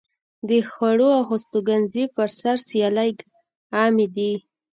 د خوړو او هستوګنځي پر سر سیالۍ عامې دي.